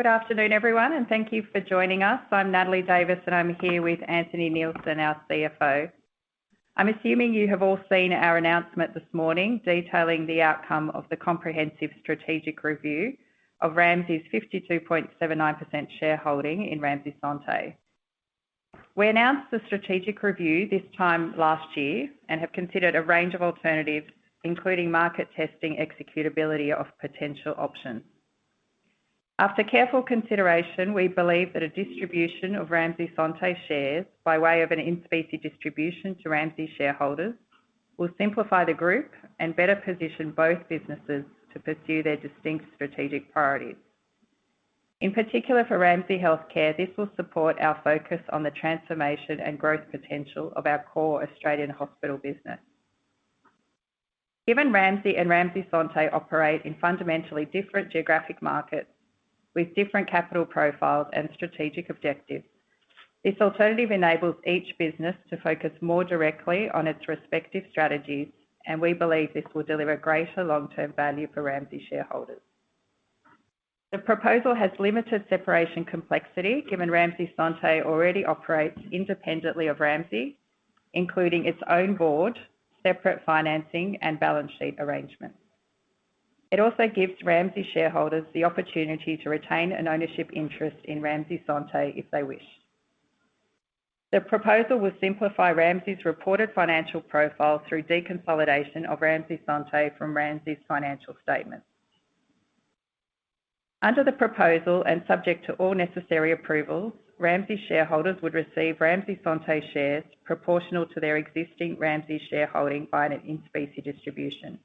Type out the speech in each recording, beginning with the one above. Good afternoon, everyone, and thank you for joining us. I'm Natalie Davis, and I'm here with Anthony Neilson, our CFO. I'm assuming you have all seen our announcement this morning detailing the outcome of the comprehensive strategic review of Ramsay's 52.79% shareholding in Ramsay Santé. We announced the strategic review this time last year and have considered a range of alternatives, including market testing, executability of potential options. After careful consideration, we believe that a distribution of Ramsay Santé shares, by way of an in-specie distribution to Ramsay shareholders, will simplify the group and better position both businesses to pursue their distinct strategic priorities. In particular, for Ramsay Health Care, this will support our focus on the transformation and growth potential of our core Australian hospital business. Given Ramsay and Ramsay Santé operate in fundamentally different geographic markets with different capital profiles and strategic objectives, this alternative enables each business to focus more directly on its respective strategies, and we believe this will deliver greater long-term value for Ramsay shareholders. The proposal has limited separation complexity, given Ramsay Santé already operates independently of Ramsay, including its own board, separate financing, and balance sheet arrangements. It also gives Ramsay shareholders the opportunity to retain an ownership interest in Ramsay Santé if they wish. The proposal will simplify Ramsay's reported financial profile through deconsolidation of Ramsay Santé from Ramsay's financial statements. Under the proposal, and subject to all necessary approvals, Ramsay shareholders would receive Ramsay Santé shares proportional to their existing Ramsay shareholding by an in-specie distribution.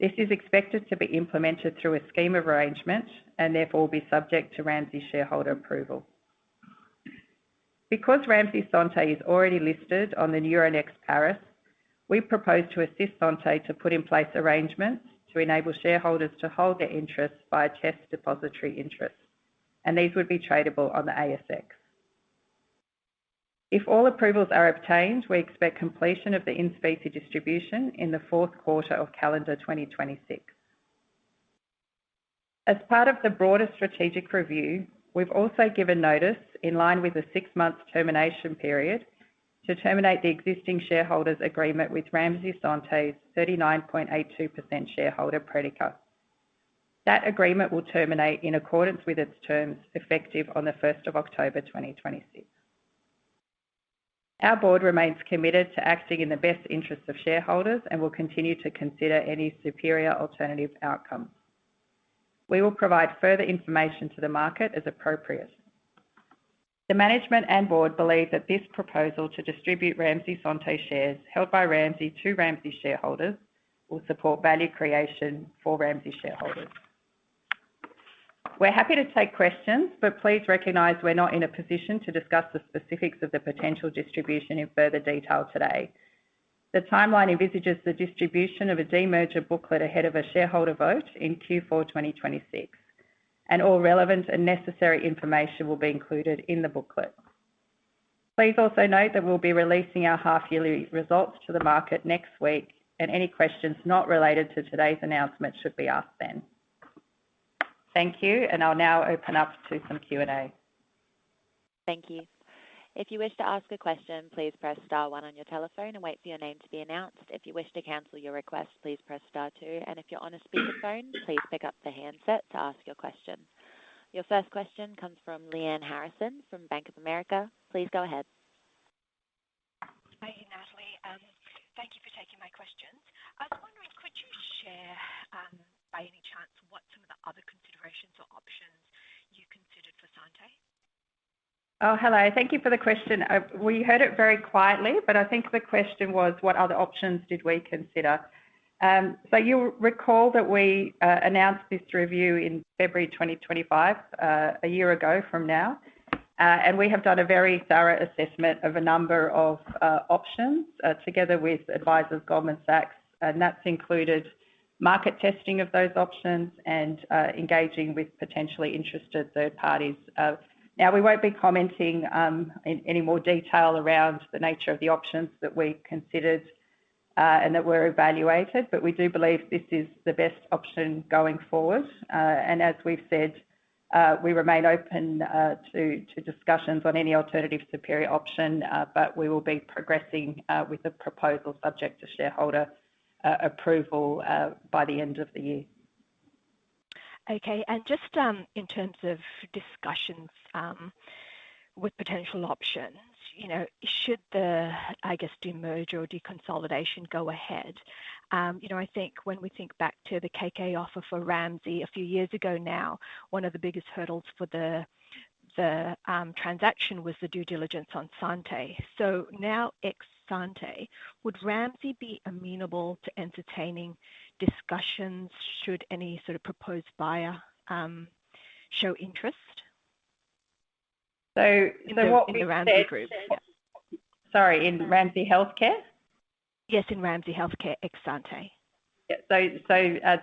This is expected to be implemented through a scheme of arrangement and therefore be subject to Ramsay shareholder approval. Because Ramsay Santé is already listed on the Euronext Paris, we propose to assist Santé to put in place arrangements to enable shareholders to hold their interests by a CHESS depositary interest, and these would be tradable on the ASX. If all approvals are obtained, we expect completion of the in-specie distribution in the Q4 of calendar 2026. As part of the broader strategic review, we've also given notice, in line with a six-month termination period, to terminate the existing shareholders' agreement with Ramsay Santé's 39.82% shareholder, Predica. That agreement will terminate in accordance with its terms, effective on the first of October, 2026. Our board remains committed to acting in the best interests of shareholders and will continue to consider any superior alternative outcomes. We will provide further information to the market as appropriate. The management and board believe that this proposal to distribute Ramsay Santé shares held by Ramsay to Ramsay shareholders will support value creation for Ramsay shareholders. We're happy to take questions, but please recognize we're not in a position to discuss the specifics of the potential distribution in further detail today. The timeline envisages the distribution of a demerger booklet ahead of a shareholder vote in Q4 2026, and all relevant and necessary information will be included in the booklet. Please also note that we'll be releasing our half-yearly results to the market next week, and any questions not related to today's announcement should be asked then. Thank you, and I'll now open up to some Q&A. Thank you. If you wish to ask a question, please press star one on your telephone and wait for your name to be announced. If you wish to cancel your request, please press star two, and if you're on a speakerphone, please pick up the handset to ask your question. Your first question comes from Lyanne Harrison from Bank of America. Please go ahead. Hi, Natalie. Thank you for taking my questions. I was wondering, could you share, by any chance, what some of the other considerations or options you considered for Santé? Oh, hello. Thank you for the question. We heard it very quietly, but I think the question was: What other options did we consider? So you'll recall that we announced this review in February 2025, a year ago from now, and we have done a very thorough assessment of a number of options, together with advisors Goldman Sachs, and that's included market testing of those options and engaging with potentially interested third parties. Now, we won't be commenting in any more detail around the nature of the options that we considered and that were evaluated, but we do believe this is the best option going forward. As we've said, we remain open to discussions on any alternative superior option, but we will be progressing with the proposal subject to shareholder approval by the end of the year. Okay. And just, in terms of discussions, with potential options, you know, should the, I guess, demerger or deconsolidation go ahead? You know, I think when we think back to the KKR offer for Ramsay a few years ago now, one of the biggest hurdles for the transaction was the due diligence on Santé. So now ex Santé, would Ramsay be amenable to entertaining discussions should any sort of proposed buyer show interest? So what we said- In the Ramsay group? Sorry, in Ramsay Health Care? Yes, in Ramsay Health Care, ex Santé. Yeah. So,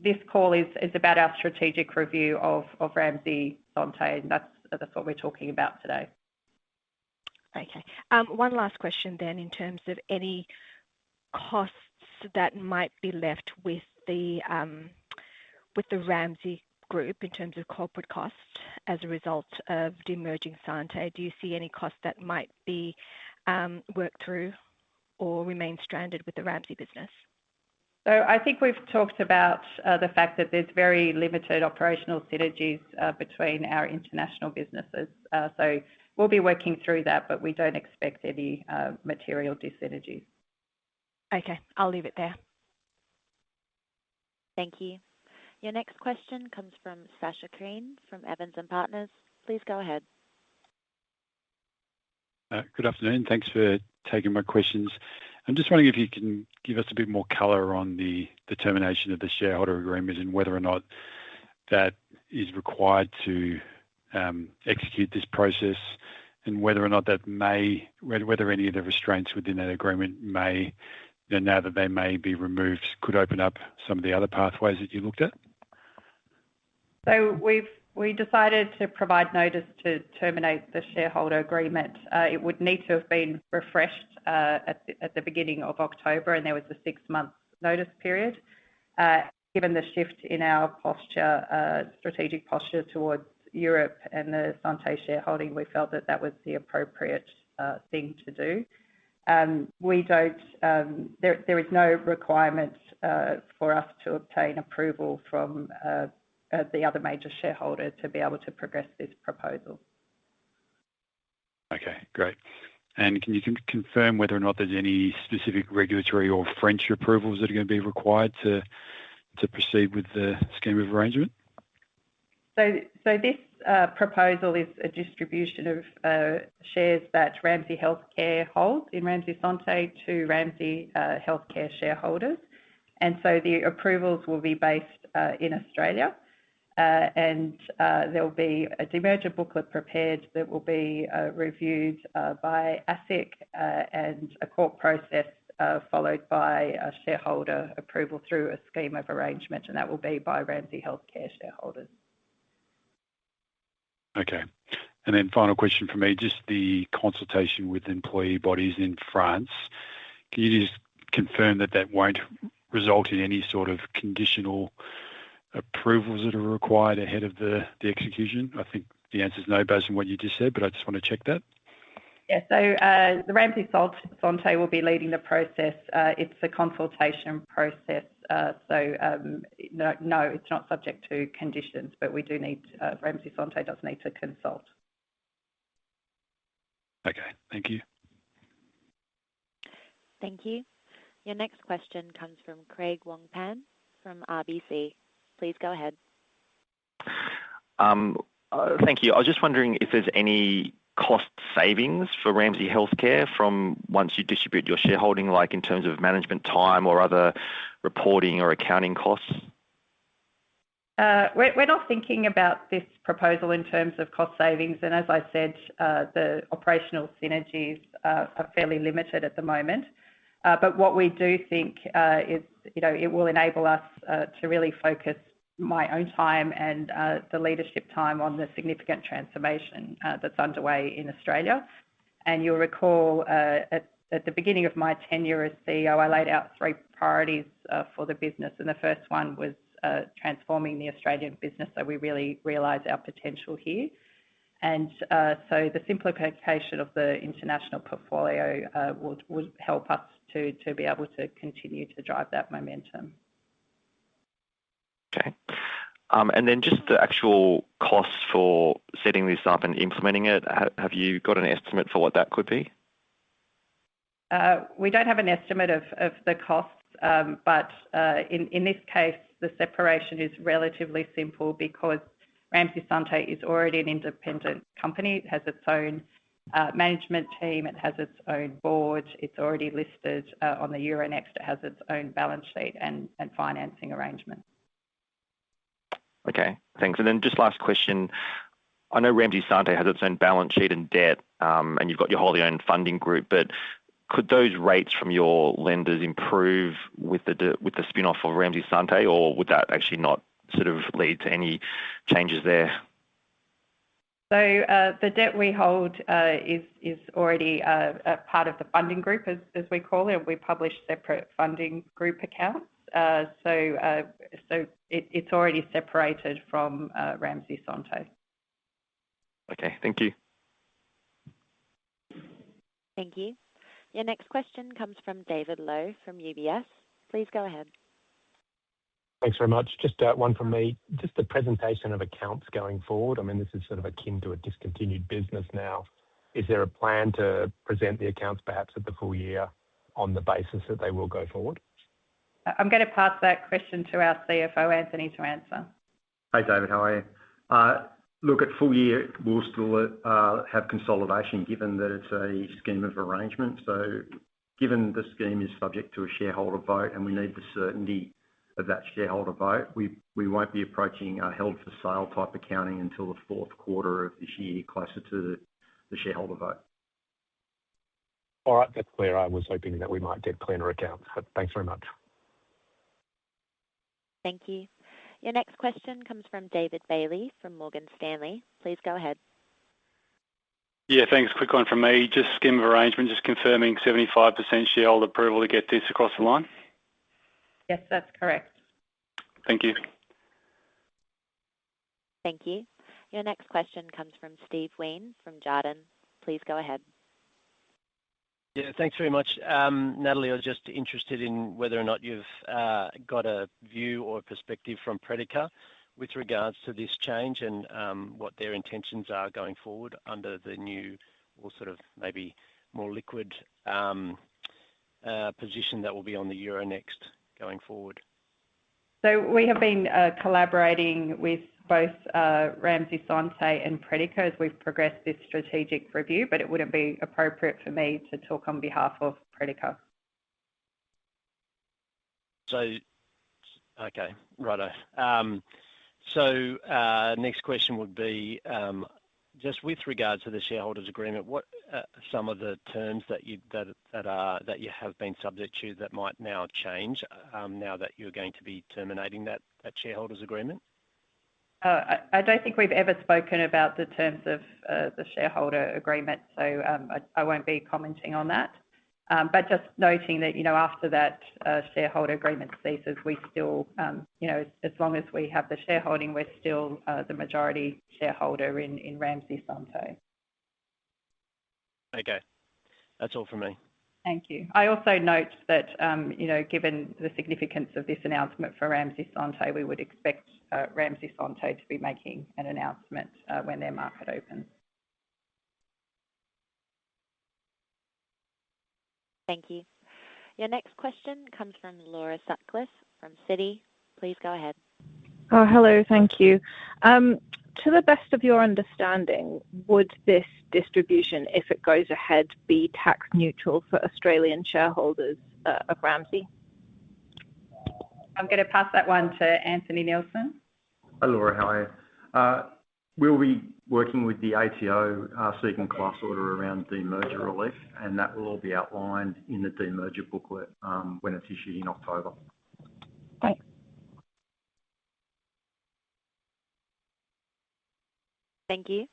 this call is about our strategic review of Ramsay Santé, and that's what we're talking about today. Okay, one last question then in terms of any costs that might be left with the, with the Ramsay group, in terms of corporate costs as a result of demerging Santé. Do you see any costs that might be, worked through or remain stranded with the Ramsay business? I think we've talked about the fact that there's very limited operational synergies between our international businesses. We'll be working through that, but we don't expect any material dyssynergies. Okay, I'll leave it there. Thank you. Your next question comes from Sascha Crean, from Evans and Partners. Please go ahead. Good afternoon. Thanks for taking my questions. I'm just wondering if you can give us a bit more color on the determination of the shareholder agreements and whether or not that is required to execute this process, and whether any of the restraints within that agreement may, now that they may be removed, could open up some of the other pathways that you looked at? So we've decided to provide notice to terminate the shareholder agreement. It would need to have been refreshed at the beginning of October, and there was a six-month notice period. Given the shift in our posture, strategic posture towards Europe and the Santé shareholding, we felt that that was the appropriate thing to do. We don't... There is no requirement for us to obtain approval from the other major shareholder to be able to progress this proposal. Okay, great. Can you confirm whether or not there's any specific regulatory or French approvals that are gonna be required to proceed with the scheme of arrangement? So, so this proposal is a distribution of shares that Ramsay Health Care holds in Ramsay Santé to Ramsay Health Care shareholders, and so the approvals will be based in Australia. And there'll be a demerger booklet prepared that will be reviewed by ASIC, and a court process followed by a shareholder approval through a scheme of arrangement, and that will be by Ramsay Health Care shareholders. Okay. And then final question for me, just the consultation with employee bodies in France. Can you just confirm that that won't result in any sort of conditional approvals that are required ahead of the execution? I think the answer is no, based on what you just said, but I just want to check that. Yeah. So, the Ramsay Santé will be leading the process. It's a consultation process, so, no, no, it's not subject to conditions, but we do need, Ramsay Santé does need to consult. Okay. Thank you. Thank you. Your next question comes from Craig Wong-Pan, from RBC. Please go ahead. Thank you. I was just wondering if there's any cost savings for Ramsay Health Care from once you distribute your shareholding, like in terms of management time or other reporting or accounting costs? We're not thinking about this proposal in terms of cost savings, and as I said, the operational synergies are fairly limited at the moment. What we do think is, you know, it will enable us to really focus my own time and the leadership time on the significant transformation that's underway in Australia. You'll recall, at the beginning of my tenure as CEO, I laid out three priorities for the business, and the first one was transforming the Australian business, so we really realize our potential here. The simplification of the international portfolio would help us to be able to continue to drive that momentum. Okay. And then just the actual costs for setting this up and implementing it, have you got an estimate for what that could be? We don't have an estimate of the costs, but in this case, the separation is relatively simple because Ramsay Santé is already an independent company. It has its own management team, it has its own board, it's already listed on the Euronext, it has its own balance sheet and financing arrangement. Okay, thanks. Just last question: I know Ramsay Santé has its own balance sheet and debt, and you've got your wholly owned funding group, but could those rates from your lenders improve with the de... with the spin-off of Ramsay Santé, or would that actually not sort of lead to any changes there? So, the debt we hold is already a part of the funding group, as we call it. We publish separate funding group accounts. So, it's already separated from Ramsay Santé. Okay. Thank you. Thank you. Your next question comes from David Lowe, from UBS. Please go ahead. Thanks very much. Just one from me. Just the presentation of accounts going forward, I mean, this is sort of akin to a discontinued business now. Is there a plan to present the accounts, perhaps at the full year, on the basis that they will go forward? I'm gonna pass that question to our CFO, Anthony, to answer. Hi, David, how are you? Look, at full year, we'll still have consolidation, given that it's a scheme of arrangement. Given the scheme is subject to a shareholder vote, and we need the certainty of that shareholder vote, we won't be approaching a held for sale type accounting until the Q4 of this year, closer to the shareholder vote. All right. That's where I was hoping that we might get cleaner accounts, but thanks very much. Thank you. Your next question comes from David Bailey from Morgan Stanley. Please go ahead. Yeah, thanks. Quick one from me, just scheme of arrangement, just confirming 75% shareholder approval to get this across the line? Yes, that's correct. Thank you. Thank you. Your next question comes from Steve Wheen from Jarden. Please go ahead. Yeah, thanks very much. Natalie, I was just interested in whether or not you've got a view or perspective from Predica with regards to this change and what their intentions are going forward under the new or sort of maybe more liquid position that will be on the Euronext going forward. So we have been collaborating with both Ramsay Santé and Predica as we've progressed this strategic review, but it wouldn't be appropriate for me to talk on behalf of Predica. Okay, righto. Just with regards to the shareholders' agreement, what are some of the terms that you, that you have been subject to, that might now change, now that you're going to be terminating that shareholders' agreement? I don't think we've ever spoken about the terms of the shareholder agreement, so I won't be commenting on that. But just noting that, you know, after that shareholder agreement ceases, we still, you know, as long as we have the shareholding, we're still the majority shareholder in Ramsay Santé. Okay. That's all for me. Thank you. I also note that, you know, given the significance of this announcement for Ramsay Santé, we would expect Ramsay Santé to be making an announcement when their market opens. Thank you. Your next question comes from Laura Sutcliffe from Citi. Please go ahead. Oh, hello, thank you. To the best of your understanding, would this distribution, if it goes ahead, be tax neutral for Australian shareholders of Ramsay? I'm going to pass that one to Anthony Neilson. Hi, Laura. How are you? We'll be working with the ATO, seeking class order around demerger relief, and that will all be outlined in the demerger booklet, when it's issued in October. Thanks. Thank you.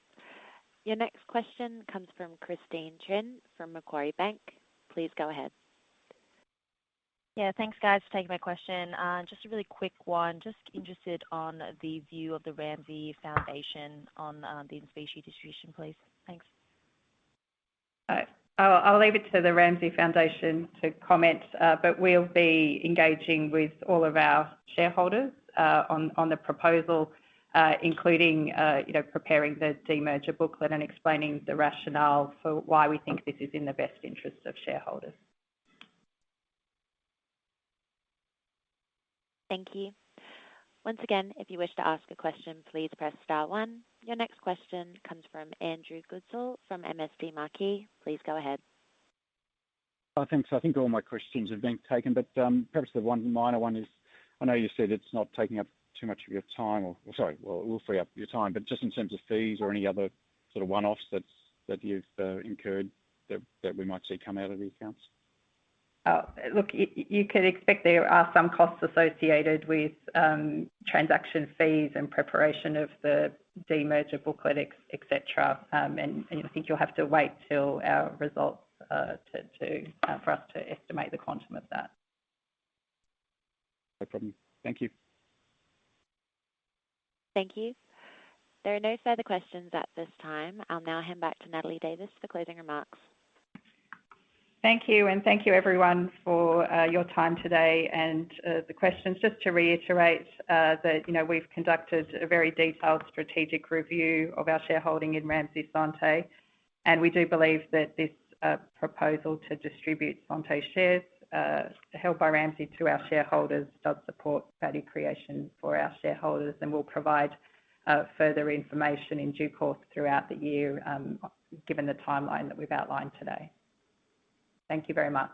Your next question comes from Christine Trinh, from Macquarie Bank. Please go ahead. Yeah, thanks, guys, for taking my question. Just a really quick one. Just interested on the view of the Paul Ramsay Foundation on the in-specie distribution, please. Thanks. I'll leave it to the Ramsay Foundation to comment, but we'll be engaging with all of our shareholders, on the proposal, including, you know, preparing the demerger booklet and explaining the rationale for why we think this is in the best interest of shareholders. Thank you. Once again, if you wish to ask a question, please press Star one. Your next question comes from Andrew Goodsall, from MST Marquee. Please go ahead. Thanks. I think all my questions have been taken, but perhaps the one minor one is, I know you said it's not taking up too much of your time or, sorry, well, it will free up your time, but just in terms of fees or any other sort of one-offs that you've incurred that we might see come out of the accounts. Look, you can expect there are some costs associated with transaction fees and preparation of the demerger booklet, et cetera. I think you'll have to wait till our results for us to estimate the quantum of that. No problem. Thank you. Thank you. There are no further questions at this time. I'll now hand back to Natalie Davis for closing remarks. Thank you, and thank you everyone for your time today and the questions. Just to reiterate that, you know, we've conducted a very detailed strategic review of our shareholding in Ramsay Santé, and we do believe that this proposal to distribute Santé shares held by Ramsay to our shareholders does support value creation for our shareholders. We'll provide further information in due course throughout the year, given the timeline that we've outlined today. Thank you very much.